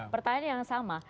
pertanyaan yang sama